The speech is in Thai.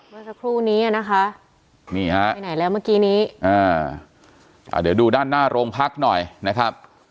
เมื่อสักครู่นี้นะคะนี่ฮะไปไหนแล้วเมื่อกี้นี้เดี๋ยวดูด้านหน้าโรงพักหน่อยนะครับ